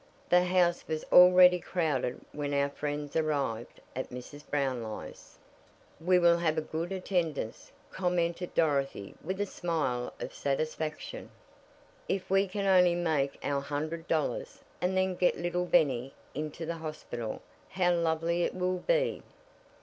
The house was already crowded when our friends arrived at Mrs. Brownlie's. "We will have a good attendance," commented Dorothy with a smile of satisfaction. "If we can only make our hundred dollars, and then get little Bennie into the hospital, how lovely it will be!"